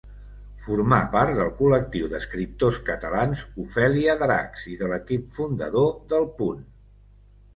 Formà part del col·lectiu d'escriptors catalans Ofèlia Dracs i de l'equip fundador del Punt.